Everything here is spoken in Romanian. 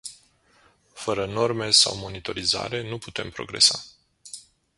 Fără norme sau monitorizare, nu putem progresa.